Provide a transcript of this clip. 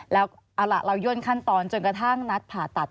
แล้วเอาล่ะเราย่นขั้นตอนจนกระทั่งนัดผ่าตัด